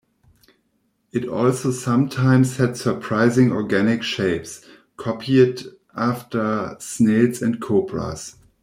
It also sometimes had surprising organic shapes, copied after snails and cobras.